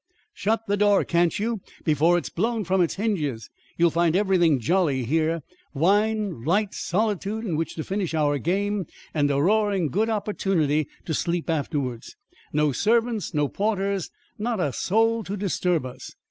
shut the door, can't you, before it's blown from its hinges? You'll find everything jolly here. Wine, lights, solitude in which to finish our game and a roaring good opportunity to sleep afterwards. No servants, no porters, not a soul to disturb us.